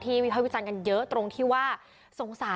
มีความรู้สึกว่ามีความรู้สึกว่า